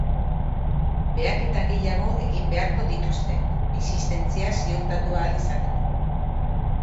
Behaketa gehiago egin beharko dituzte, existentzia ziurtatu ahal izateko.